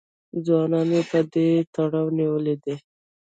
ځوانان یې په دې تړاو نیولي دي